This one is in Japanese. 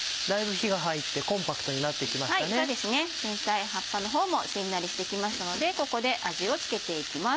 全体葉っぱの方もしんなりしてきましたのでここで味を付けていきます。